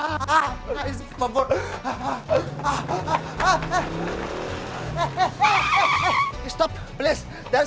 ada anak anak yang mau bawa kakak ke sana